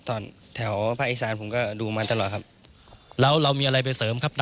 แถวภาคอีสานผมก็ดูมาตลอดครับแล้วเรามีอะไรไปเสริมครับ